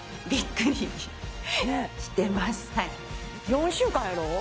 ４週間やろ？